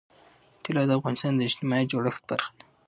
طلا د افغانستان د اجتماعي جوړښت برخه ده.